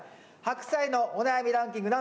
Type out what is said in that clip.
ハクサイのお悩みランキング